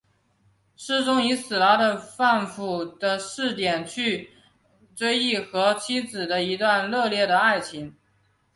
诗中以死了的丈夫的视点去追忆和妻子的一段热烈的爱情。